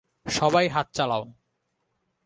সবাই হাত চালাও।